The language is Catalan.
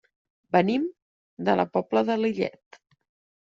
Venim de la Pobla de Lillet.